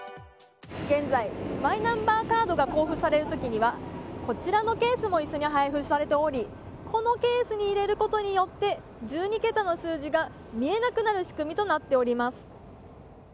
現在、マイナンバーカードが交付される時にはこちらのケースも一緒に配布されておりこのケースに入れることによって１２桁の数字が見えなくなる仕組みとなっております。